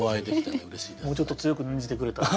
もうちょっと強く念じてくれたら。